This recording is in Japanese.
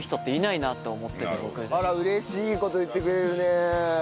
あら嬉しい事言ってくれるね。